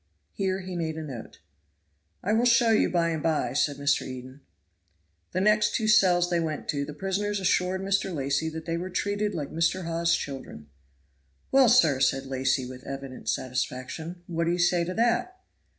Here he made a note. "I will show you by and by," said Mr. Eden. The next two cells they went to, the prisoners assured Mr. Lacy that they were treated like Mr. Hawes's children. "Well, sir!" said Lacy, with evident satisfaction, "what do you say to that?"